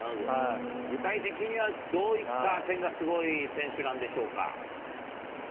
具体的にはどういった点がすごい選手なんでしょうか。